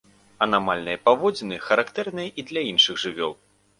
Анамальныя паводзіны характэрныя і для іншых жывёл.